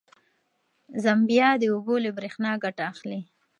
زمبیا د اوبو له برېښنا ګټه اخلي.